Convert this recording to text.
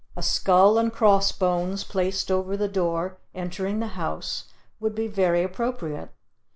A skull and cross bones placed over the door entering the house would be very appropriate.